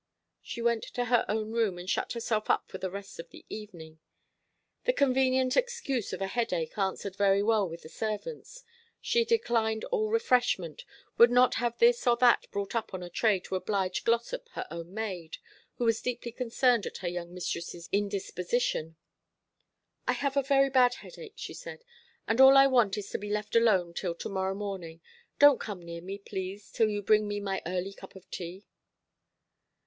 She went to her own room, and shut herself up for the rest of the evening. The convenient excuse of a headache answered very well with the servants. She declined all refreshment would not have this or that brought up on a tray to oblige Glossop, her own maid, who was deeply concerned at her young mistress's indisposition. "I have a very bad headache," she said, "and all I want is to be left alone till to morrow morning. Don't come near me, please, till you bring me my early cup of tea."